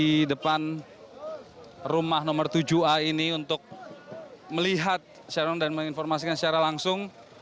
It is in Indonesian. saya memenuhi di depan rumah nomor tujuh a ini untuk melihat dan menginformasikan secara langsung